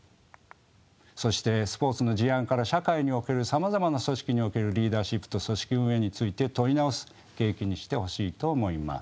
そしてスポーツの事案から社会におけるさまざまな組織におけるリーダーシップと組織運営について問い直す契機にしてほしいと思います。